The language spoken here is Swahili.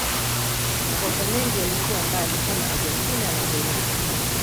Mataifa mengi yaliyokuwa mbali kama Argentina na Peru